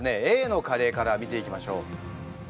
Ａのカレーから見ていきましょう。